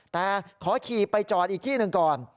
แต่ขอขี่ไปจอดอีกที่หนึ่งก่อน